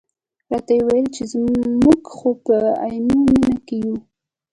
راته یې وویل چې موږ خو په عینومېنه کې یو.